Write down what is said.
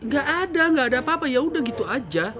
gak ada nggak ada apa apa yaudah gitu aja